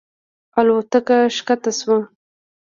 الوتکه ښکته شوه.